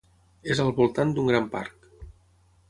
És al voltant d'un gran parc.